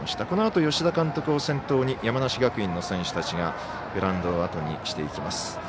このあと吉田監督を先頭に山梨学院の選手たちがグラウンドをあとにしていきます。